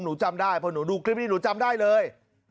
หนูจำได้เพราะหนูดูคลิปนี้หนูจำได้เลย